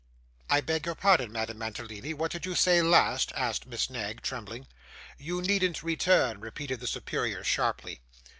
'I beg your pardon, Madame Mantalini, what did you say last?' asked Miss Knag, trembling. 'You needn't return,' repeated the superior, sharply.